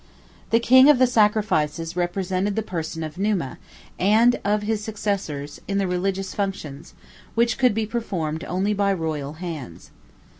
The King of the Sacrifices represented the person of Numa, and of his successors, in the religious functions, which could be performed only by royal hands.